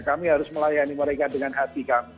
kami harus melayani mereka dengan hati kami